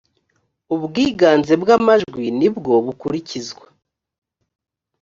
ubwiganze bwa majwi nibwobukurikizwa.